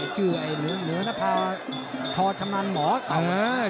ชื่อเหลือภาพชชำนาญหมอเก่า